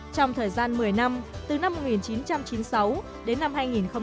trong thời gian một mươi năm từ năm một nghìn chín trăm chín mươi sáu đến năm hai nghìn một mươi